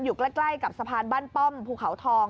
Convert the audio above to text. อยู่ใกล้กับสะพานบ้านป้อมภูเขาทอง